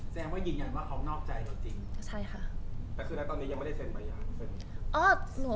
แสดงว่ายืนยันว่าเขานอกใจเขาจริง